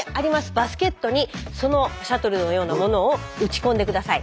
バスケットにそのシャトルのようなものを打ち込んで下さい。